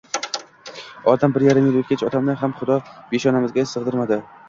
Oradan bir yarim yil o'tgach, otamni ham Xudo peshonamizga sig'dirmadi